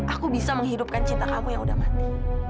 aku bisa menghidupkan cinta kamu yang udah mati